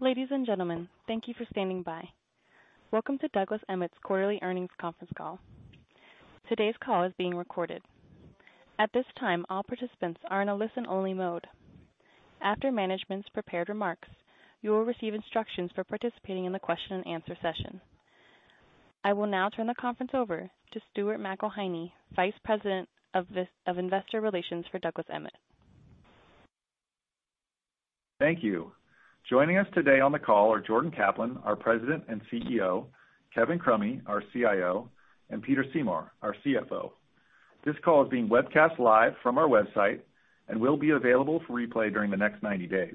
Ladies and gentlemen, thank you for standing by. Welcome to Douglas Emmett's quarterly earnings conference call. Today's call is being recorded. At this time, all participants are in a listen-only mode. After management's prepared remarks, you will receive instructions for participating in the question and answer session. I will now turn the conference over to Stuart McElhinney, Vice President of Investor Relations for Douglas Emmett. Thank you. Joining us today on the call are Jordan Kaplan, our President and CEO, Kevin Crummy, our CIO, and Peter Seymour, our CFO. This call is being webcast live from our website and will be available for replay during the next 90 days.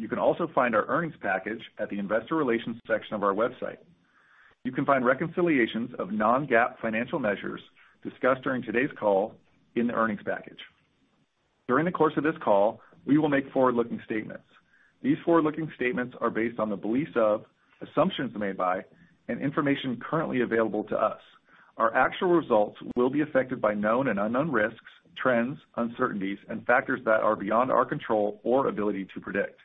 You can also find our earnings package at the investor relations section of our website. You can find reconciliations of non-GAAP financial measures discussed during today's call in the earnings package. During the course of this call, we will make forward-looking statements. These forward-looking statements are based on the beliefs of, assumptions made by, and information currently available to us. Our actual results will be affected by known and unknown risks, trends, uncertainties, and factors that are beyond our control or ability to predict.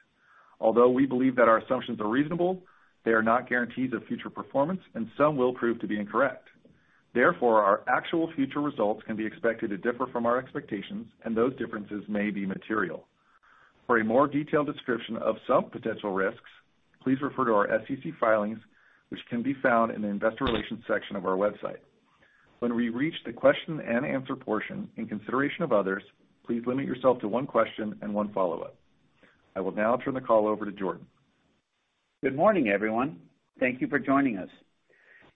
Although we believe that our assumptions are reasonable, they are not guarantees of future performance, and some will prove to be incorrect. Therefore, our actual future results can be expected to differ from our expectations, and those differences may be material. For a more detailed description of some potential risks, please refer to our SEC filings, which can be found in the investor relations section of our website. When we reach the question and answer portion, in consideration of others, please limit yourself to one question and one follow-up. I will now turn the call over to Jordan. Good morning, everyone. Thank you for joining us.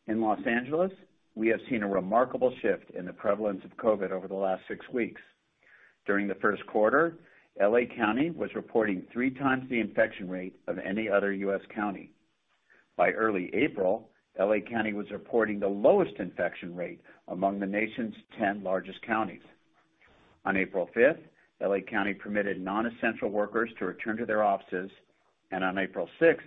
In Los Angeles, we have seen a remarkable shift in the prevalence of COVID over the last six weeks. During the first quarter, L.A. county was reporting three times the infection rate of any other U.S. county. By early April, L.A. county was reporting the lowest infection rate among the nation's 10 largest counties. On April 5th, L.A. county permitted non-essential workers to return to their offices, and on April 6th,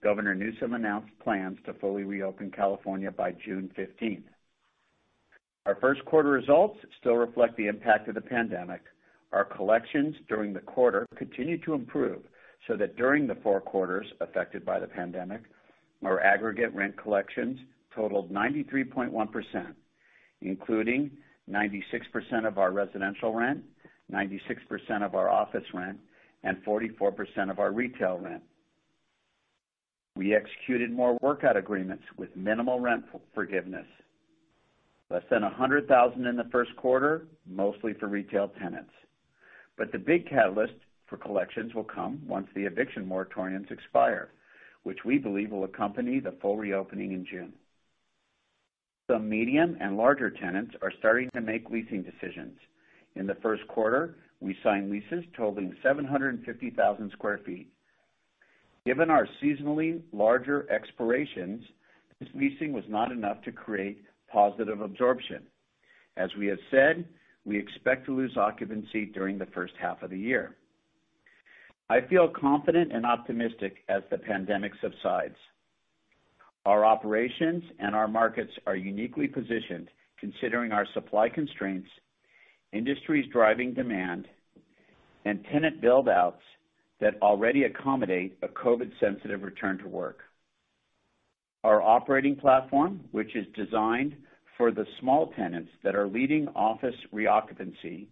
Governor Newsom announced plans to fully reopen California by June 15th. Our first quarter results still reflect the impact of the pandemic. Our collections during the quarter continued to improve, so that during the four quarters affected by the pandemic, our aggregate rent collections totaled 93.1%, including 96% of our residential rent, 96% of our office rent, and 44% of our retail rent. We executed more workout agreements with minimal rent forgiveness. Less than $100,000 in the first quarter, mostly for retail tenants. The big catalyst for collections will come once the eviction moratoriums expire, which we believe will accompany the full reopening in June. Some medium and larger tenants are starting to make leasing decisions. In the first quarter, we signed leases totaling 750,000 sq ft. Given our seasonally larger expirations, this leasing was not enough to create positive absorption. As we have said, we expect to lose occupancy during the first half of the year. I feel confident and optimistic as the pandemic subsides. Our operations and our markets are uniquely positioned considering our supply constraints, industries driving demand, and tenant build-outs that already accommodate a COVID-sensitive return to work. Our operating platform, which is designed for the small tenants that are leading office reoccupancy,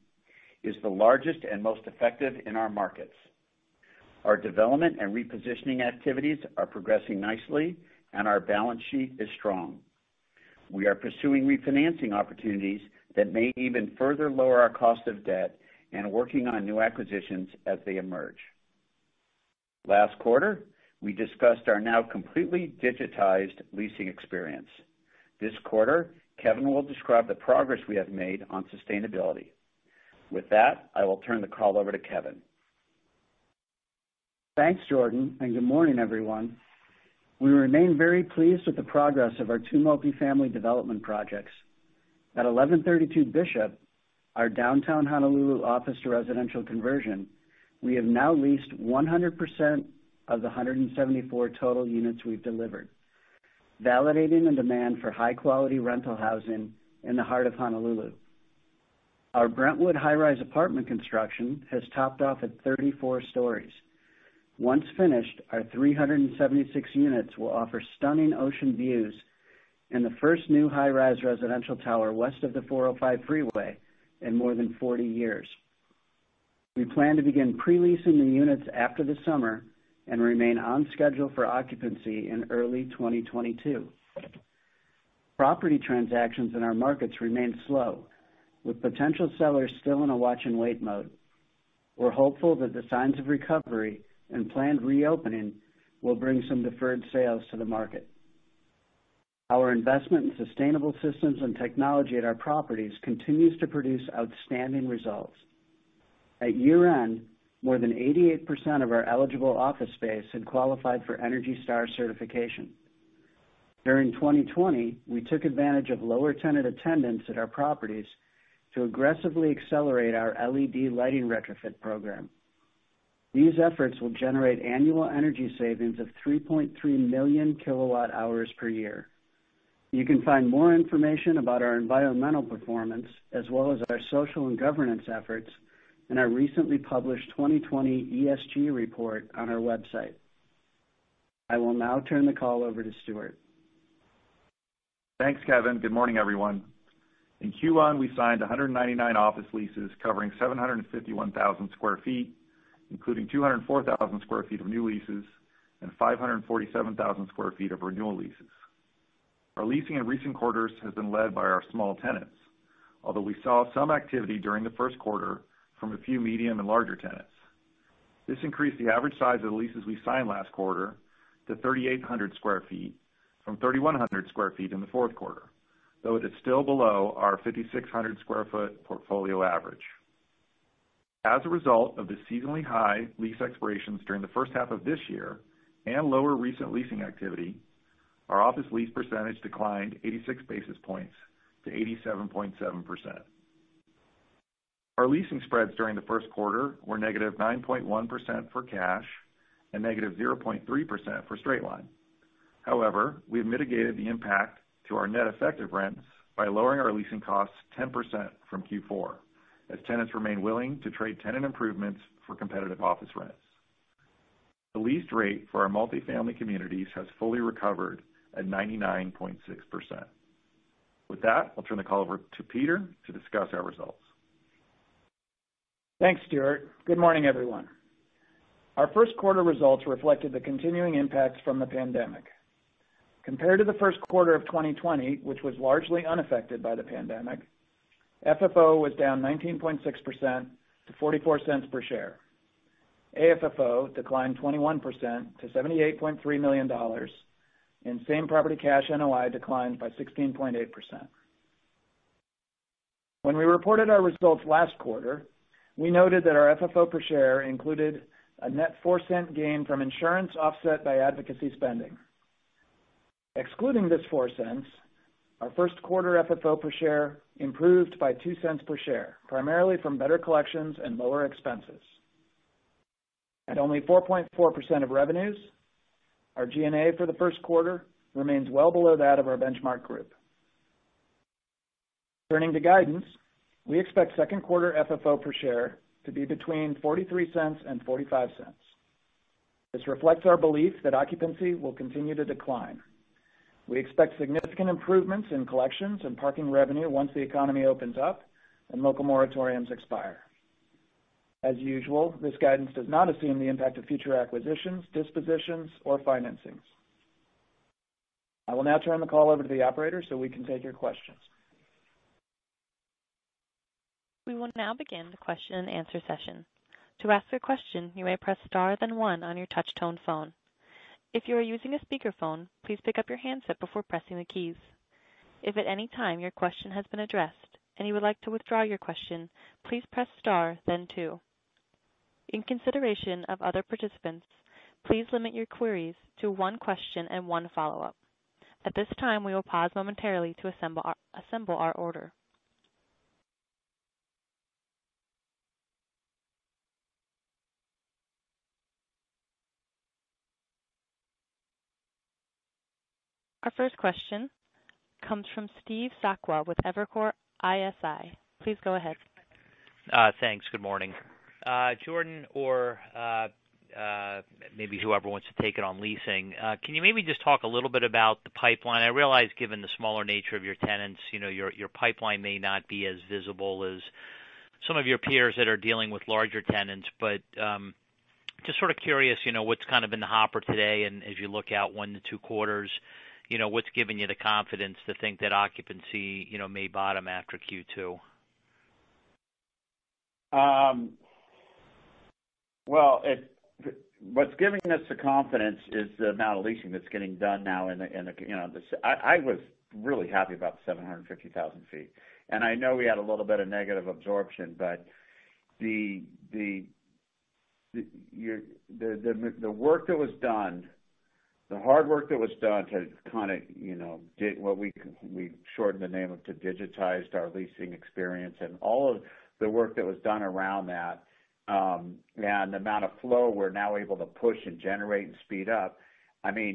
is the largest and most effective in our markets. Our development and repositioning activities are progressing nicely, and our balance sheet is strong. We are pursuing refinancing opportunities that may even further lower our cost of debt and working on new acquisitions as they emerge. Last quarter, we discussed our now completely digitized leasing experience. This quarter, Kevin will describe the progress we have made on sustainability. With that, I will turn the call over to Kevin. Thanks, Jordan. Good morning, everyone. We remain very pleased with the progress of our two multifamily development projects. At 1132 Bishop, our downtown Honolulu office to residential conversion, we have now leased 100% of the 174 total units we've delivered, validating the demand for high-quality rental housing in the heart of Honolulu. Our Brentwood high-rise apartment construction has topped off at 34 storeys. Once finished, our 376 units will offer stunning ocean views in the first new high-rise residential tower west of the 405 freeway in more than 40 years. We plan to begin pre-leasing the units after the summer and remain on schedule for occupancy in early 2022. Property transactions in our markets remain slow, with potential sellers still in a watch and wait mode. We're hopeful that the signs of recovery and planned reopening will bring some deferred sales to the market. Our investment in sustainable systems and technology at our properties continues to produce outstanding results. At year-end, more than 88% of our eligible office space had qualified for ENERGY STAR certification. During 2020, we took advantage of lower tenant attendance at our properties to aggressively accelerate our LED lighting retrofit program. These efforts will generate annual energy savings of 3.3 million kWh per year. You can find more information about our environmental performance, as well as our social and governance efforts in our recently published 2020 ESG report on our website. I will now turn the call over to Stuart. Thanks, Kevin. Good morning, everyone. In Q1, we signed 199 office leases covering 751,000 sq ft, including 204,000 sq ft of new leases and 547,000 sq ft of renewal leases. Our leasing in recent quarters has been led by our small tenants. We saw some activity during the first quarter from a few medium and larger tenants. This increased the average size of the leases we signed last quarter to 3,800 sq ft from 3,100 sq ft in the fourth quarter. It is still below our 5,600 sq ft portfolio average. As a result of the seasonally high lease expirations during the first half of this year and lower recent leasing activity, our office lease percentage declined 86 basis points to 87.7%. Our leasing spreads during the first quarter were -9.1% for cash and -0.3% for straight line. However, we have mitigated the impact to our net effective rents by lowering our leasing costs 10% from Q4, as tenants remain willing to trade tenant improvements for competitive office rents. The lease rate for our multifamily communities has fully recovered at 99.6%. With that, I'll turn the call over to Peter to discuss our results. Thanks, Stuart. Good morning, everyone. Our first quarter results reflected the continuing impacts from the pandemic. Compared to the first quarter of 2020, which was largely unaffected by the pandemic, FFO was down 19.6% to $0.44 per share. AFFO declined 21% to $78.3 million, and same property cash NOI declined by 16.8%. When we reported our results last quarter, we noted that our FFO per share included a net $0.04 gain from insurance offset by advocacy spending. Excluding this $0.04, our first quarter FFO per share improved by $0.02 per share, primarily from better collections and lower expenses. At only 4.4% of revenues, our G&A for the first quarter remains well below that of our benchmark group. Turning to guidance, we expect second quarter FFO per share to be between $0.43 and $0.45. This reflects our belief that occupancy will continue to decline. We expect significant improvements in collections and parking revenue once the economy opens up and local moratoriums expire. As usual, this guidance does not assume the impact of future acquisitions, dispositions, or financings. I will now turn the call over to the operator so we can take your questions. Our first question comes from Steve Sakwa with Evercore ISI. Please go ahead. Thanks. Good morning. Jordan, or maybe whoever wants to take it on leasing. Can you maybe just talk a little bit about the pipeline? I realize given the smaller nature of your tenants, your pipeline may not be as visible as some of your peers that are dealing with larger tenants. Just sort of curious, what's kind of in the hopper today, and as you look out one to two quarters, what's giving you the confidence to think that occupancy may bottom after Q2? What's giving us the confidence is the amount of leasing that's getting done now in the-- I was really happy about the 750,000 ft. I know we had a little bit of negative absorption, but the work that was done, the hard work that was done to kind of dig what we shortened the name of to digitized our leasing experience and all of the work that was done around that, and the amount of flow we're now able to push and generate and speed up. I know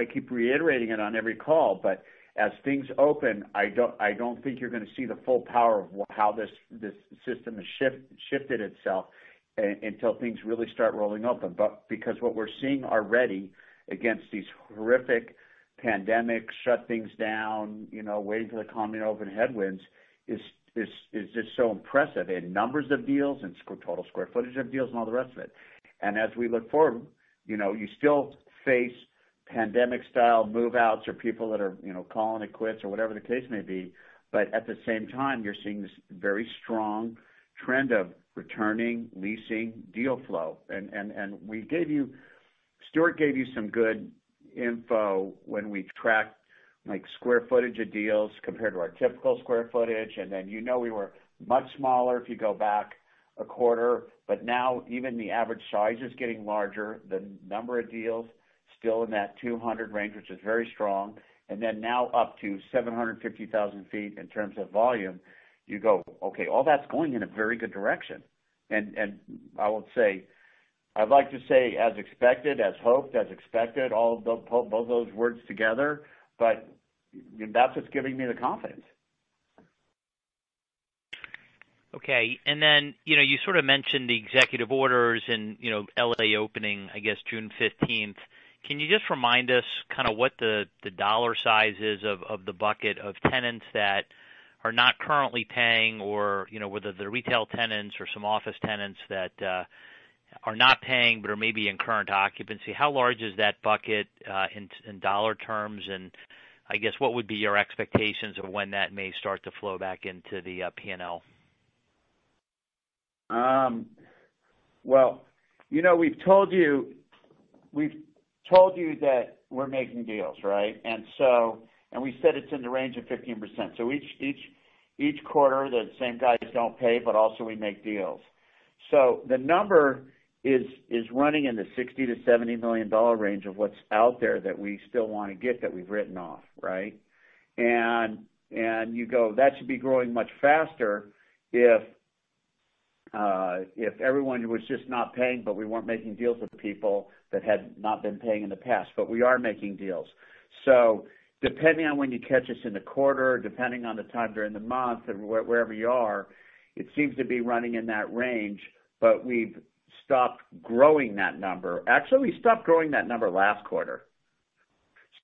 I keep reiterating it on every call, as things open, I don't think you're going to see the full power of how this system has shifted itself until things really start rolling open. Because what we're seeing already against these horrific pandemic shut things down, waiting for the economy to open headwinds is just so impressive in numbers of deals and total square footage of deals and all the rest of it. As we look forward, you still face pandemic style move-outs or people that are calling it quits or whatever the case may be. At the same time, you're seeing this very strong trend of returning leasing deal flow. Stuart gave you some good info when we tracked square footage of deals compared to our typical square footage. Then you know we were much smaller if you go back a quarter, but now even the average size is getting larger. The number of deals still in that 200 range, which is very strong. Then now up to 750,000 ft in terms of volume. You go, okay, all that's going in a very good direction. I will say. I'd like to say as expected, as hoped, as expected, all of those words together, but that's what's giving me the confidence. Okay. Then you sort of mentioned the executive orders in L.A. opening, I guess, June 15th. Can you just remind us kind of what the dollar size is of the bucket of tenants that are not currently paying or whether they're retail tenants or some office tenants that are not paying but are maybe in current occupancy. How large is that bucket in dollar terms, I guess what would be your expectations of when that may start to flow back into the P&L? Well, we've told you that we're making deals, right? We said it's in the range of 15%. Each quarter, the same guys don't pay, but also we make deals. The number is running in the $60 million-$70 million range of what's out there that we still want to get that we've written off, right? You go, that should be growing much faster if everyone was just not paying, but we weren't making deals with people that had not been paying in the past. We are making deals. Depending on when you catch us in the quarter, depending on the time during the month and wherever you are, it seems to be running in that range, but we've stopped growing that number. Actually, we stopped growing that number last quarter.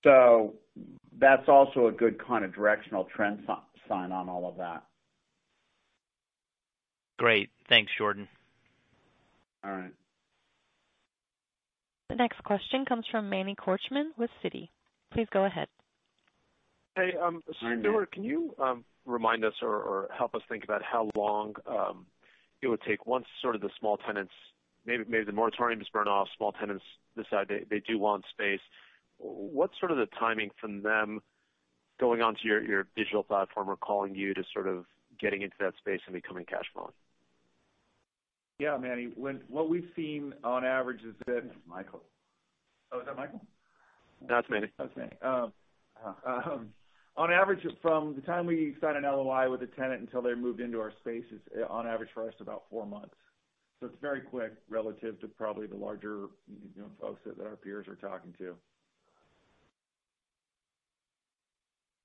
That's also a good kind of directional trend sign on all of that. Great. Thanks, Jordan. All right. The next question comes from Manny Korchman with Citi. Please go ahead. Hey. Hi, Manny. [inaudible] can you remind us or help us think about how long it would take once sort of the small tenants, maybe the moratoriums burn off, small tenants decide they do want space? What's sort of the timing from them going onto your digital platform or calling you to sort of getting into that space and becoming cash flowing? Yeah, Manny. What we've seen on average is that. Michael. Oh, is that Michael? No, that's Manny. On average, from the time we sign an LOI with a tenant until they're moved into our space is on average for us about four months. It's very quick relative to probably the larger folks that our peers are talking to.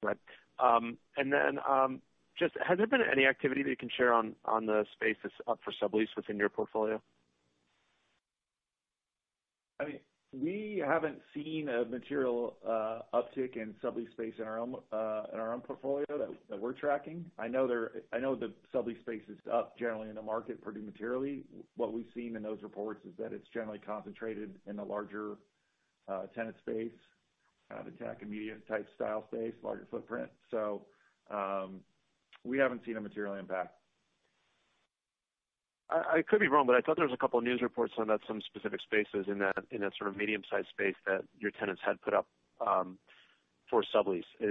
Right. Then, just has there been any activity that you can share on the space that's up for sublease within your portfolio? I mean, we haven't seen a material uptick in sublease space in our own portfolio that we're tracking. I know the sublease space is up generally in the market pretty materially. What we've seen in those reports is that it's generally concentrated in the larger tenant space, kind of the tech and media type style space, larger footprint. We haven't seen a material impact. I could be wrong, but I thought there was a couple news reports about some specific spaces in that sort of medium-sized space that your tenants had put up for sublease. Yeah.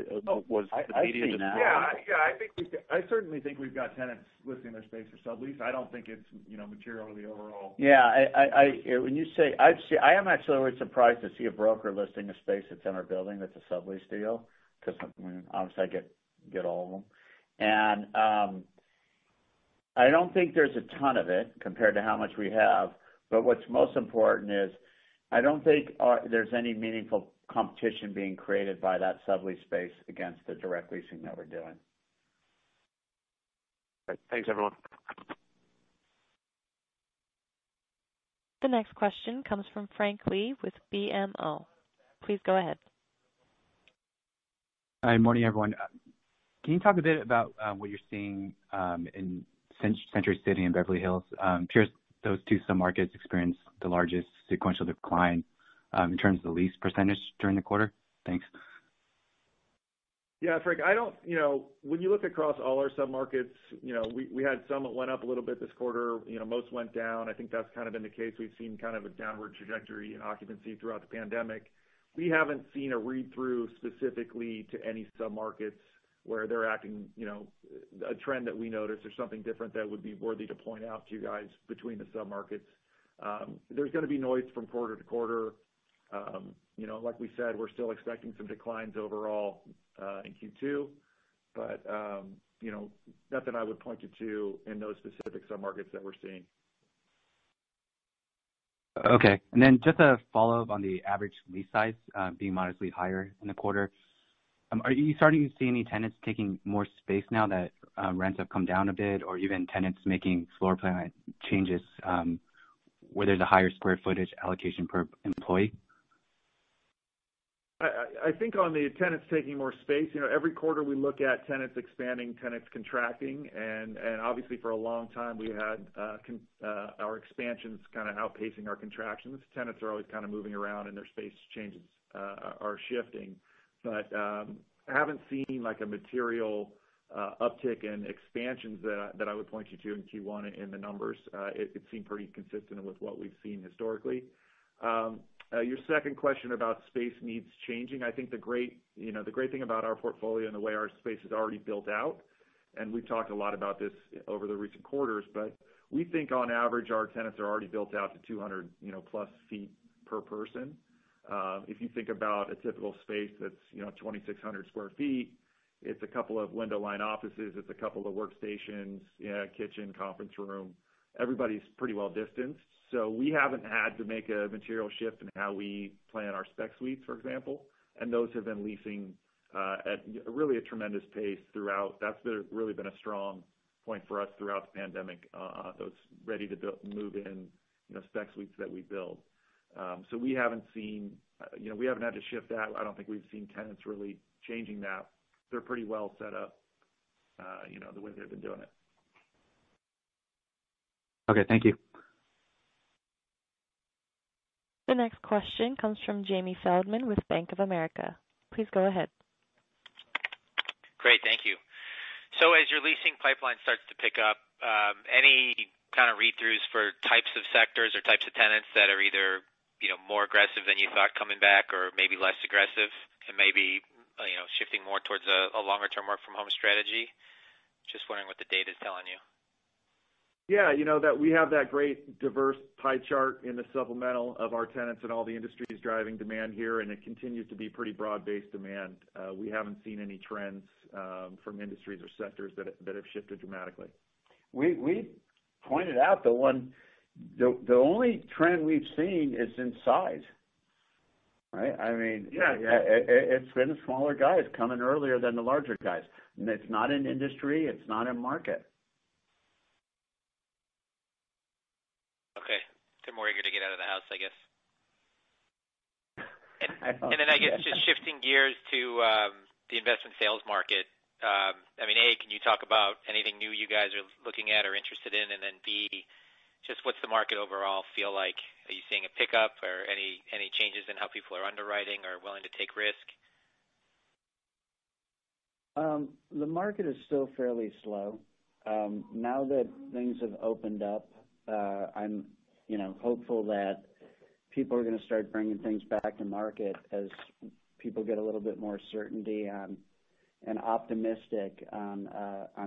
I certainly think we've got tenants listing their space for sublease. I don't think it's materially overall. Yeah. I am actually always surprised to see a broker listing a space that's in our building that's a sublease deal because obviously I get all of them. I don't think there's a ton of it compared to how much we have, but what's most important is I don't think there's any meaningful competition being created by that sublease space against the direct leasing that we're doing. Right. Thanks, everyone. The next question comes from Frank Lee with BMO. Please go ahead. Hi. Morning, everyone. Can you talk a bit about what you're seeing in Century City and Beverly Hills? It appears those two sub-markets experienced the largest sequential decline in terms of the lease percentage during the quarter. Thanks. Yeah, Frank. When you look across all our sub-markets, we had some that went up a little bit this quarter, most went down. I think that's kind of been the case. We've seen kind of a downward trajectory in occupancy throughout the pandemic. We haven't seen a read-through specifically to any sub-markets where they're acting a trend that we noticed or something different that would be worthy to point out to you guys between the sub-markets. There's going to be noise from quarter to quarter. Like we said, we're still expecting some declines overall in Q2. Nothing I would point you to in those specific sub-markets that we're seeing. Okay. Just a follow-up on the average lease size being modestly higher in the quarter. Are you starting to see any tenants taking more space now that rents have come down a bit, or even tenants making floor plan changes where there's a higher square footage allocation per employee? I think on the tenants taking more space, every quarter we look at tenants expanding, tenants contracting, and obviously for a long time, we had our expansions kind of outpacing our contractions. Tenants are always kind of moving around, and their space changes are shifting. But I haven't seen a material uptick in expansions that I would point you to in Q1 in the numbers. It seemed pretty consistent with what we've seen historically. Your second question about space needs changing, I think the great thing about our portfolio and the way our space is already built out, and we've talked a lot about this over the recent quarters, but we think on average, our tenants are already built out to 200+ ft per person. If you think about a typical space that's 2,600 sq ft It's a couple of window line offices, it's a couple of workstations, kitchen, conference room. Everybody's pretty well-distanced. We haven't had to make a material shift in how we plan our spec suites, for example, and those have been leasing at really a tremendous pace throughout. That's really been a strong point for us throughout the pandemic, those ready-to-move-in spec suites that we build. We haven't had to shift that. I don't think we've seen tenants really changing that. They're pretty well set up, the way they've been doing it. Okay, thank you. The next question comes from Jamie Feldman with Bank of America. Please go ahead. Great. Thank you. As your leasing pipeline starts to pick up, any kind of read-throughs for types of sectors or types of tenants that are either more aggressive than you thought coming back or maybe less aggressive, and maybe shifting more towards a longer-term work from home strategy? Just wondering what the data's telling you. We have that great diverse pie chart in the supplemental of our tenants and all the industries driving demand here, and it continues to be pretty broad-based demand. We haven't seen any trends from industries or sectors that have shifted dramatically. We pointed out the only trend we've seen is in size, right? Yeah. It's been the smaller guys coming in earlier than the larger guys. It's not in industry, it's not in market. Okay. They're more eager to get out of the house, I guess. I suppose so, yeah. I guess just shifting gears to the investment sales market. A, can you talk about anything new you guys are looking at or interested in? B, just what's the market overall feel like? Are you seeing a pickup or any changes in how people are underwriting or willing to take risk? The market is still fairly slow. Now that things have opened up, I'm hopeful that people are going to start bringing things back to market as people get a little bit more certainty and optimistic on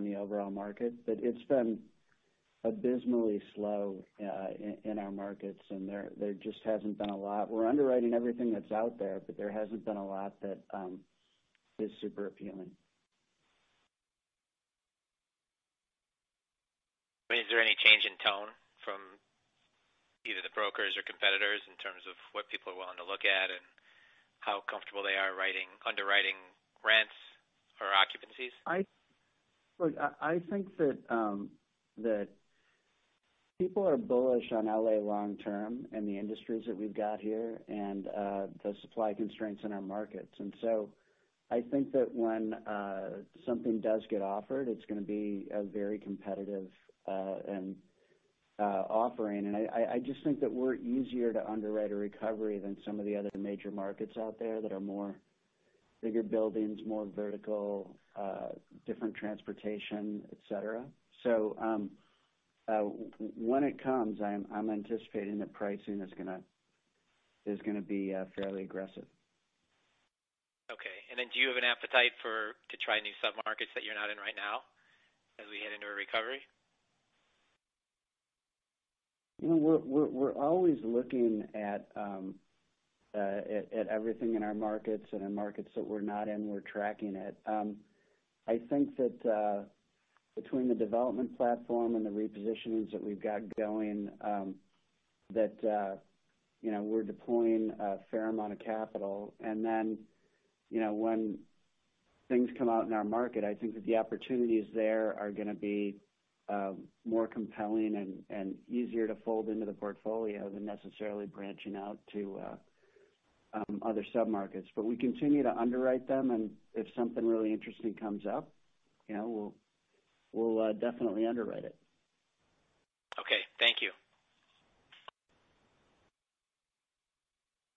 the overall market. It's been abysmally slow in our markets, and there just hasn't been a lot. We're underwriting everything that's out there, but there hasn't been a lot that is super appealing. Is there any change in tone from either the brokers or competitors in terms of what people are willing to look at and how comfortable they are underwriting rents or occupancies? Look, I think that people are bullish on L.A. long term and the industries that we've got here and the supply constraints in our markets. I think that when something does get offered, it's going to be a very competitive offering. I just think that we're easier to underwrite a recovery than some of the other major markets out there that are more bigger buildings, more vertical, different transportation, et cetera. When it comes, I'm anticipating that pricing is going to be fairly aggressive. Okay. Then do you have an appetite to try new sub-markets that you're not in right now as we head into a recovery? We're always looking at everything in our markets, and in markets that we're not in, we're tracking it. I think that between the development platform and the repositionings that we've got going, that we're deploying a fair amount of capital. When things come out in our market, I think that the opportunities there are going to be more compelling and easier to fold into the portfolio than necessarily branching out to other sub-markets. We continue to underwrite them, and if something really interesting comes up, we'll definitely underwrite it. Okay. Thank you.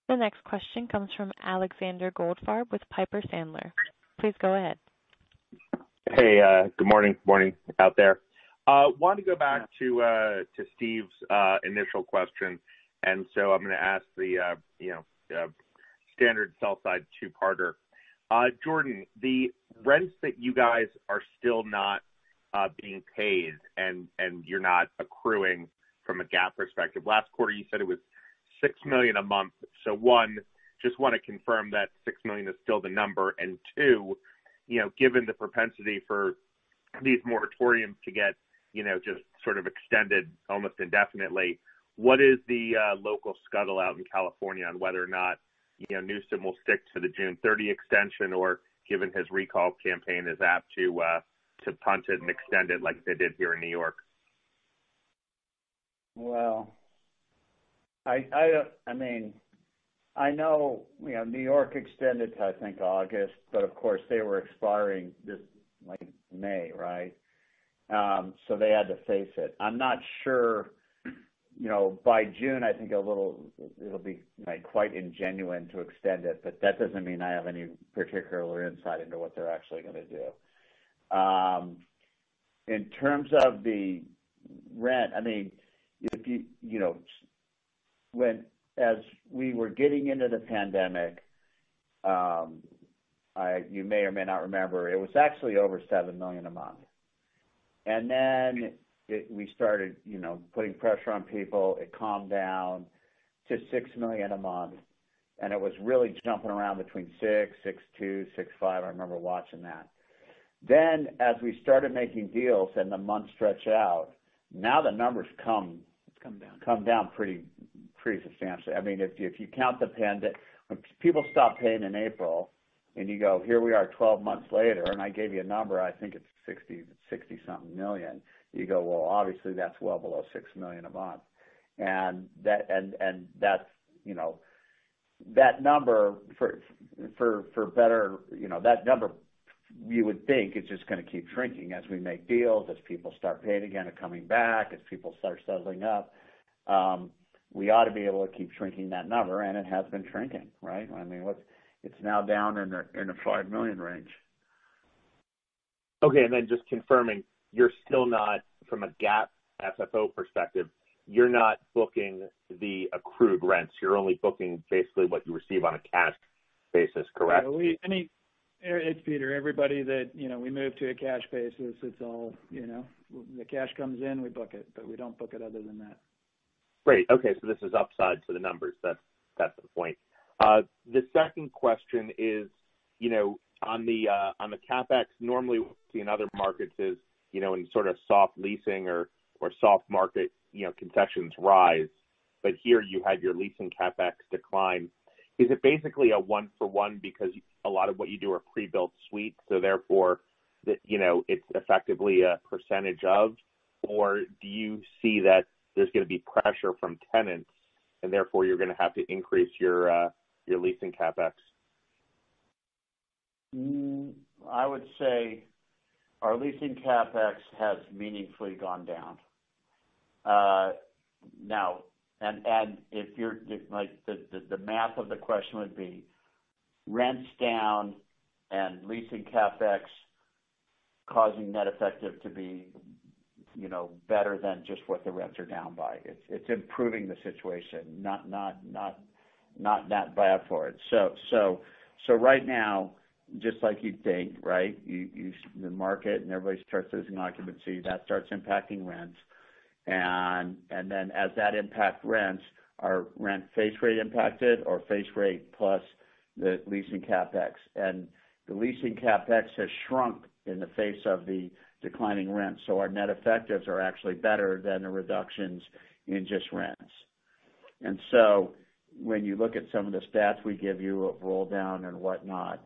The next question comes from Alexander Goldfarb with Piper Sandler. Please go ahead. Hey, good morning out there. Want to go back to Steve's initial question, I'm going to ask the standard sell-side two-parter. Jordan, the rents that you guys are still not being paid and you're not accruing from a GAAP perspective. Last quarter, you said it was $6 million a month. One, just want to confirm that $6 million is still the number. Two, given the propensity for these moratoriums to get just sort of extended almost indefinitely, what is the local scuttle out in California on whether or not Newsom will stick to the June 30 extension, or given his recall campaign, is apt to punt it and extend it like they did here in New York? I know New York extended to, I think, August, Of course, they were expiring this May, right? They had to face it. I'm not sure. By June, I think it'll be quite ingenuine to extend it, That doesn't mean I have any particular insight into what they're actually going to do. In terms of the rent, as we were getting into the pandemic, you may or may not remember, it was actually over $7 million a month. We started putting pressure on people. It calmed down to $6 million a month, and it was really jumping around between $6 million, $6.2 million, $6.5 million. I remember watching that. As we started making deals and the months stretched out, now the numbers come. Come down. come down pretty substantially. If you count the pandemic, when people stopped paying in April, and you go, here we are 12 months later, and I gave you a number, I think it's $60-something million. You go, well, obviously that's well below $6 million a month. That number you would think is just going to keep shrinking as we make deals, as people start paying again and coming back, as people start settling up. We ought to be able to keep shrinking that number, and it has been shrinking. Right? It's now down in the $5 million range. Okay. Just confirming, you're still not, from a GAAP FFO perspective, you're not booking the accrued rents. You're only booking basically what you receive on a cash basis, correct? It's Peter. Everybody that we moved to a cash basis, the cash comes in, we book it. We don't book it other than that. Great. Okay, this is upside to the numbers. That's the point. The second question is, on the CapEx, normally what we see in other markets is, in sort of soft leasing or soft market, concessions rise. Here you had your leasing CapEx decline. Is it basically a one for one because a lot of what you do are pre-built suites, therefore it's effectively a percentage of, or do you see that there's going to be pressure from tenants and therefore you're going to have to increase your leasing CapEx? I would say our leasing CapEx has meaningfully gone down. The math of the question would be rents down and leasing CapEx causing net effective to be better than just what the rents are down by. It's improving the situation, not that bad for it. Right now, just like you'd think, the market and everybody starts losing occupancy, that starts impacting rents. As that impacts rents, our rent base rate impacted, our base rate plus the leasing CapEx. The leasing CapEx has shrunk in the face of the declining rents. Our net effectives are actually better than the reductions in just rents. When you look at some of the stats we give you of roll-down and whatnot,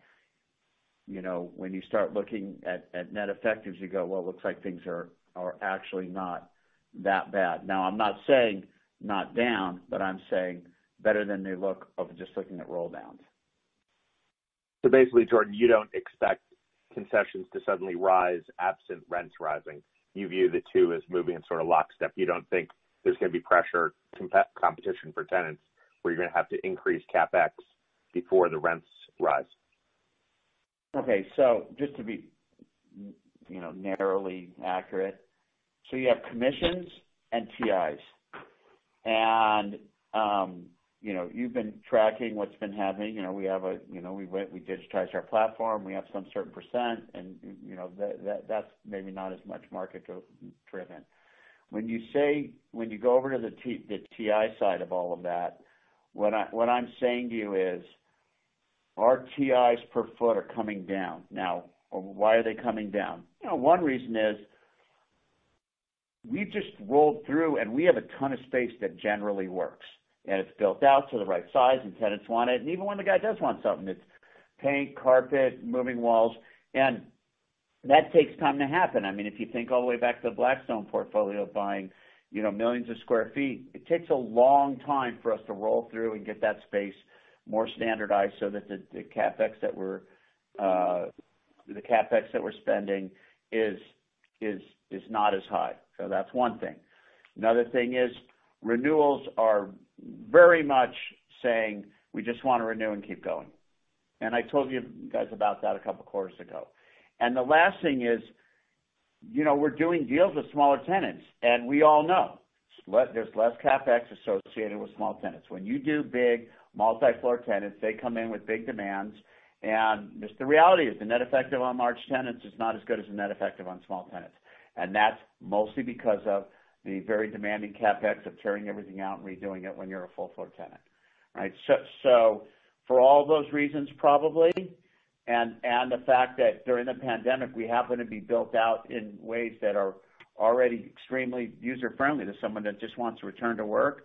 when you start looking at net effectives, you go, well, it looks like things are actually not that bad. Now, I'm not saying not down, but I'm saying better than they look of just looking at roll-downs. Basically, Jordan, you don't expect concessions to suddenly rise absent rents rising. You view the two as moving in sort of lockstep. You don't think there's going to be pressure, competition for tenants where you're going to have to increase CapEx before the rents rise. Okay. Just to be narrowly accurate, you have commissions and TIs. You've been tracking what's been happening. We digitized our platform. We have some certain percent, and that's maybe not as much market-driven. When you go over to the TI side of all of that, what I'm saying to you is our TIs per foot are coming down. Now, why are they coming down? One reason is we just rolled through, and we have a ton of space that generally works, and it's built out to the right size, and tenants want it. Even when the guy does want something, it's paint, carpet, moving walls, and that takes time to happen. If you think all the way back to the Blackstone portfolio, buying millions of sq ft, it takes a long time for us to roll through and get that space more standardized so that the CapEx that we're spending is not as high. That's one thing. Another thing is renewals are very much saying, we just want to renew and keep going. I told you guys about that a couple of quarters ago. The last thing is, we're doing deals with smaller tenants, and we all know there's less CapEx associated with small tenants. When you do big multi-floor tenants, they come in with big demands, and just the reality is the net effective on large tenants is not as good as the net effective on small tenants. That's mostly because of the very demanding CapEx of tearing everything out and redoing it when you're a full-floor tenant. So for all those reasons, probably, and the fact that during the pandemic, we happen to be built out in ways that are already extremely user-friendly to someone that just wants to return to work.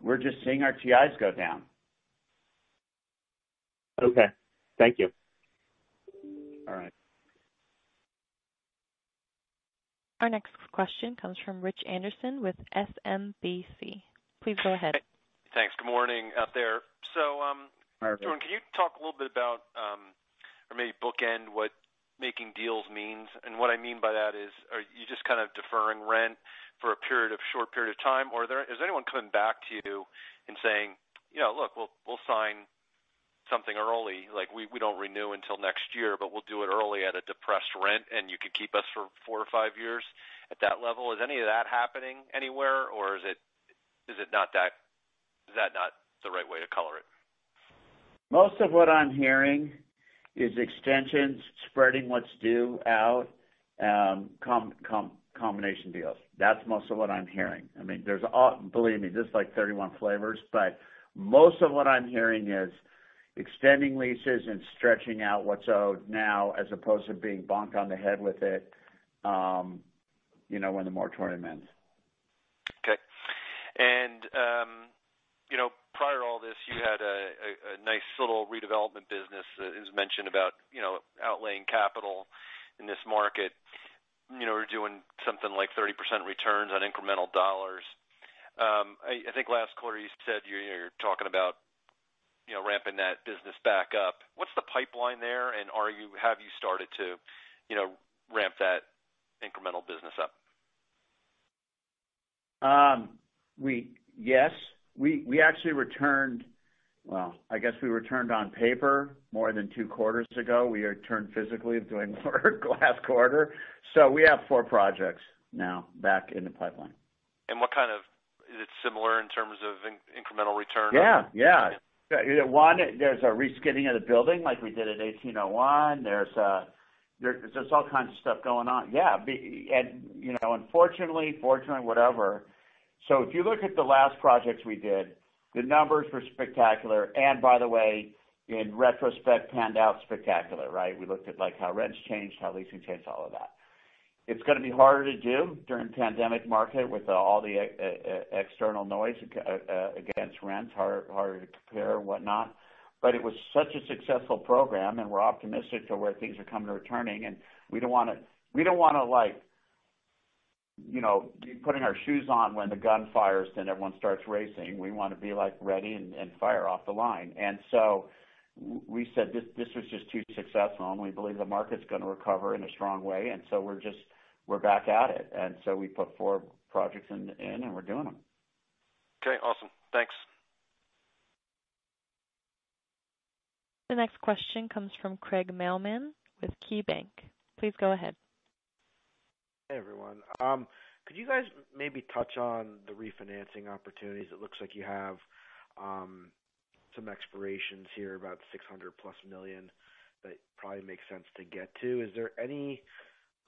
We're just seeing our TIs go down. Okay. Thank you. All right. Our next question comes from Rich Anderson with SMBC. Please go ahead. Thanks. Good morning out there. Hi, Rich. Jordan, can you talk a little bit about, or maybe bookend what making deals means? What I mean by that is, are you just kind of deferring rent for a short period of time, or is anyone coming back to you and saying, "Look, we'll sign something early. We don't renew until next year, but we'll do it early at a depressed rent, and you could keep us for four or five years at that level." Is any of that happening anywhere, or is that not the right way to color it? Most of what I'm hearing is extensions, spreading what's due out, combination deals. That's most of what I'm hearing. Believe me, just like 31 flavors, but most of what I'm hearing is extending leases and stretching out what's owed now, as opposed to being bonked on the head with it when the moratorium ends. Okay. Prior to all this, you had a nice little redevelopment business, as mentioned about outlaying capital in this market. You're doing something like 30% returns on incremental dollars. I think last quarter you said you're talking about ramping that business back up. What's the pipeline there, and have you started to ramp that incremental business up? Yes. We actually returned Well, I guess we returned on paper more than two quarters ago. We returned physically doing more last quarter. We have four projects now back in the pipeline. Is it similar in terms of incremental return? Yeah. There's a reskinning of the building like we did at 1801. There's all kinds of stuff going on. Yeah. Unfortunately, fortunately, whatever. If you look at the last projects we did, the numbers were spectacular, and by the way, in retrospect, panned out spectacular, right? We looked at how rents changed, how leasing changed, all of that. It's going to be harder to do during pandemic market with all the external noise against rents, harder to compare and whatnot. It was such a successful program, and we're optimistic to where things are coming to turning, and we don't want to be putting our shoes on when the gun fires, everyone starts racing. We want to be ready and fire off the line. We said this was just too successful, and we believe the market's going to recover in a strong way, and so we're back at it. We put four projects in, and we're doing them. Okay, awesome. Thanks. The next question comes from Craig Mailman with KeyBanc. Please go ahead. Hey, everyone. Could you guys maybe touch on the refinancing opportunities? It looks like you have some expirations here, about $600+ million that probably makes sense to get to. Is there any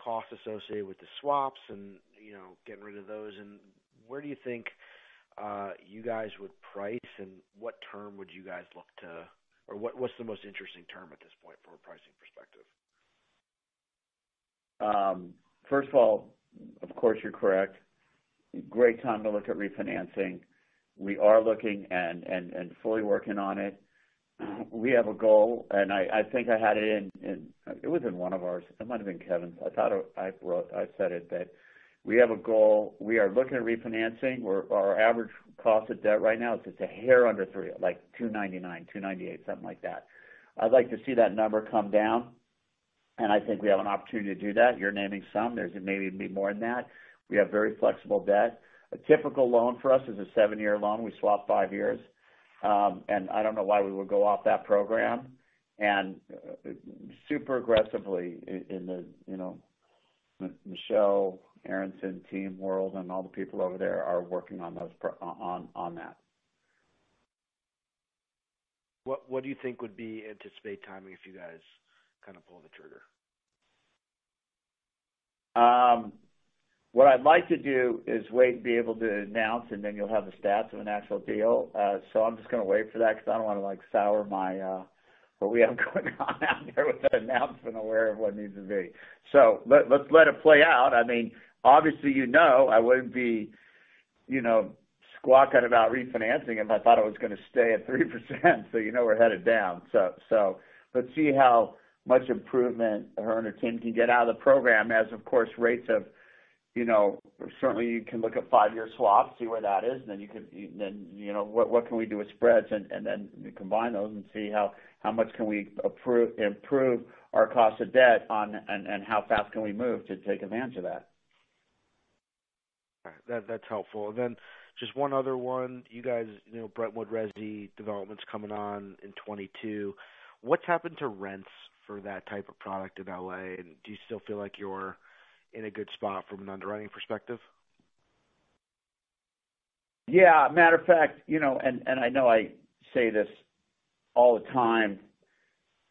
cost associated with the swaps and getting rid of those? Where do you think you guys would price, and or what's the most interesting term at this point from a pricing perspective? First of all, of course, you're correct. Great time to look at refinancing. We are looking and fully working on it. We have a goal, and I think I had it in. It was in one of ours. It might've been Kevin's. I thought I said it, that we have a goal. We are looking at refinancing. Our average cost of debt right now is just a hair under three, like 2.99%, 2.98%, something like that. I'd like to see that number come down, and I think we have an opportunity to do that. You're naming some. There's maybe even be more than that. We have very flexible debt. A typical loan for us is a seven-year loan. We swap five years. I don't know why we would go off that program. Super aggressively Michelle Aronson, team world, and all the people over there are working on that. What do you think would be anticipated timing if you guys kind of pull the trigger? What I'd like to do is wait and be able to announce, and then you'll have the stats of an actual deal. I'm just going to wait for that because I don't want to sour what we have going on out there with that announcement aware of what it needs to be. Let's let it play out. Obviously, you know I wouldn't be squawking about refinancing if I thought it was going to stay at 30%. You know we're headed down. Let's see how much improvement her and her team can get out of the program as, of course, rates have Certainly, you can look at five-year swaps, see where that is, and then what can we do with spreads, and then combine those and see how much can we improve our cost of debt and how fast can we move to take advantage of that. All right. That's helpful. Just one other one. Brentwood resi development's coming on in 2022. What's happened to rents for that type of product in L.A., and do you still feel like you're in a good spot from an underwriting perspective? Matter of fact, I know I say this all the time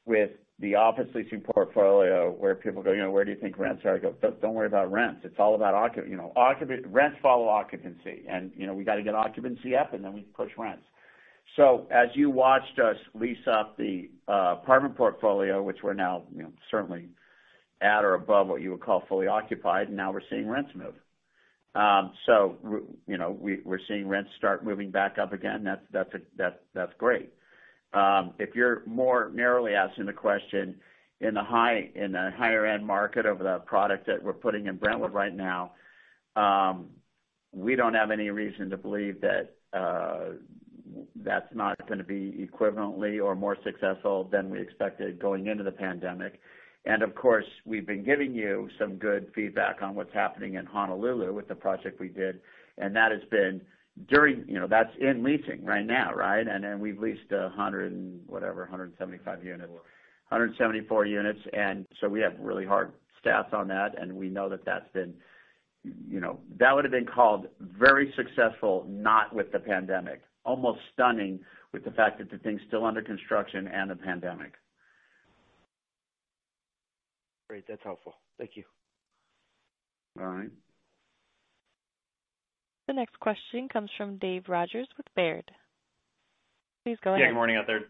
with the office leasing portfolio where people go, "Where do you think rents are?" I go, "Don't worry about rents. It's all about occupancy. Rents follow occupancy, and we got to get occupancy up, and then we can push rents." As you watched us lease up the apartment portfolio, which we're now certainly at or above what you would call fully occupied, now we're seeing rents move. We're seeing rents start moving back up again. That's great. If you're more narrowly asking the question, in the higher-end market of the product that we're putting in Brentwood right now, we don't have any reason to believe that that's not going to be equivalently or more successful than we expected going into the pandemic. Of course, we've been giving you some good feedback on what's happening in Honolulu with the project we did, and that's in leasing right now. We've leased 174 units. We have really hard stats on that, and we know that would have been called very successful, not with the pandemic. Almost stunning with the fact that the thing's still under construction and the pandemic. Great. That's helpful. Thank you. All right. The next question comes from Dave Rodgers with Baird. Please go ahead. Yeah, good morning out there.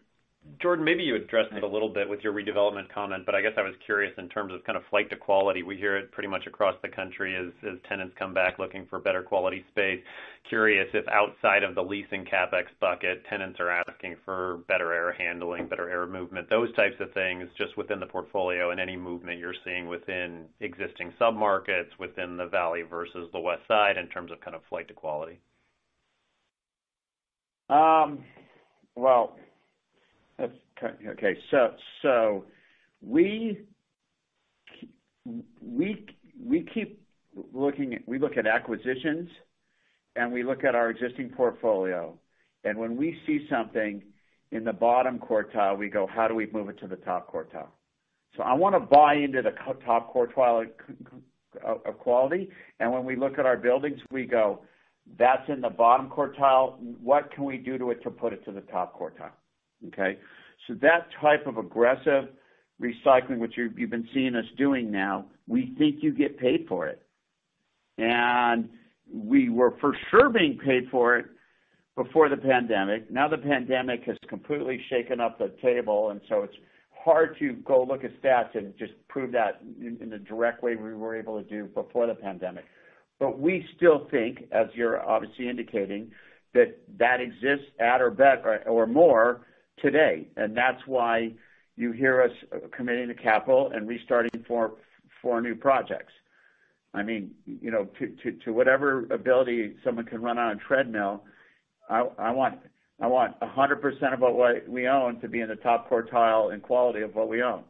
Jordan, maybe you addressed it a little bit with your redevelopment comment, I guess I was curious in terms of flight to quality. We hear it pretty much across the country as tenants come back looking for better quality space. Curious if outside of the leasing CapEx bucket, tenants are asking for better air handling, better air movement, those types of things, just within the portfolio and any movement you're seeing within existing sub-markets within the Valley versus the Westside in terms of flight to quality. Well, okay. We look at acquisitions, and we look at our existing portfolio. When we see something in the bottom quartile, we go, "How do we move it to the top quartile?" I want to buy into the top quartile of quality. When we look at our buildings, we go, "That's in the bottom quartile. What can we do to it to put it to the top quartile?" Okay. That type of aggressive recycling, which you've been seeing us doing now, we think you get paid for it. We were for sure being paid for it before the pandemic. Now the pandemic has completely shaken up the table, it's hard to go look at stats and just prove that in the direct way we were able to do before the pandemic. We still think, as you're obviously indicating, that that exists at or more today. That's why you hear us committing to capital and restarting four new projects. To whatever ability someone can run on a treadmill, I want 100% of what we own to be in the top quartile in quality of what we own.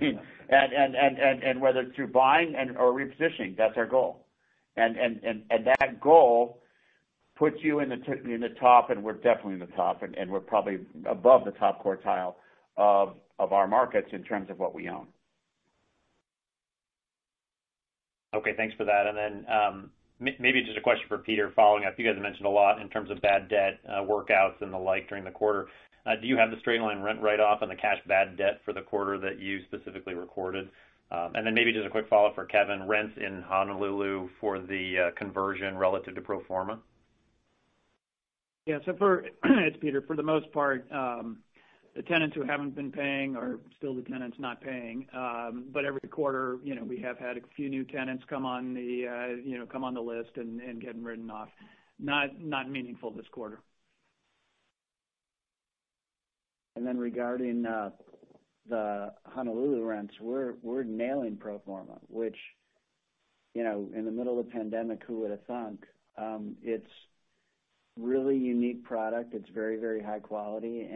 Whether it's through buying or repositioning, that's our goal. That goal puts you in the top, and we're definitely in the top, and we're probably above the top quartile of our markets in terms of what we own. Okay, thanks for that. Maybe just a question for Peter following up. You guys mentioned a lot in terms of bad debt, workouts, and the like during the quarter. Do you have the straight-line rent write-off and the cash bad debt for the quarter that you specifically recorded? Maybe just a quick follow-up for Kevin. Rents in Honolulu for the conversion relative to pro forma? It's Peter. For the most part, the tenants who haven't been paying are still the tenants not paying. Every quarter, we have had a few new tenants come on the list and getting written off. Not meaningful this quarter. Regarding the Honolulu rents, we're nailing pro forma, which, in the middle of the pandemic, who would've thunk? It's really unique product. It's very, very high quality.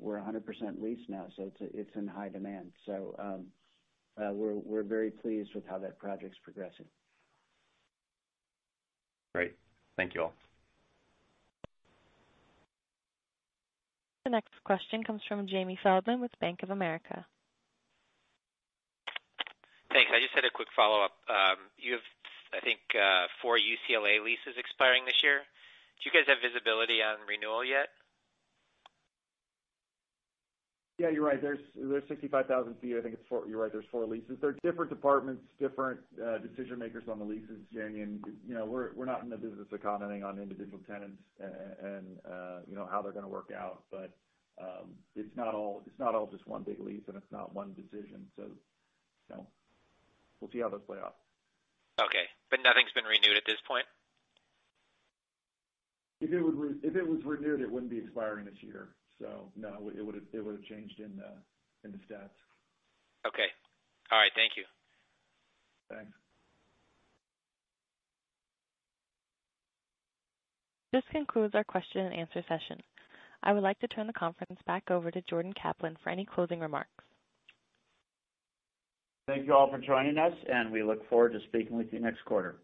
We're 100% leased now, it's in high demand. We're very pleased with how that project's progressing. Great. Thank you all. The next question comes from Jamie Feldman with Bank of America. Thanks. I just had a quick follow-up. You have, I think, four UCLA leases expiring this year. Do you guys have visibility on renewal yet? Yeah, you're right. There's 65,000 ft. I think you're right, there's four leases. They're different departments, different decision makers on the leases, Jamie. We're not in the business of commenting on individual tenants and how they're going to work out. It's not all just one big lease, and it's not one decision. We'll see how those play out. Okay. Nothing's been renewed at this point? If it was renewed, it wouldn't be expiring this year. No, it would've changed in the stats. Okay. All right. Thank you. Thanks. This concludes our question and answer session. I would like to turn the conference back over to Jordan Kaplan for any closing remarks. Thank you all for joining us, and we look forward to speaking with you next quarter.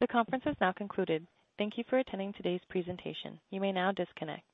The conference has now concluded. Thank you for attending today's presentation. You may now disconnect.